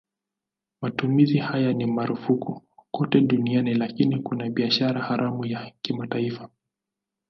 Matumizi haya ni marufuku kote duniani lakini kuna biashara haramu ya kimataifa.